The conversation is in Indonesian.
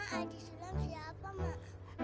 mas aji sulam siapa mak